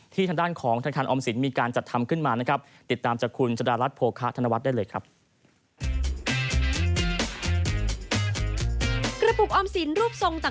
ที่ทางด้านของธนาคารออมสินมีการจัดทำขึ้นมานะครับ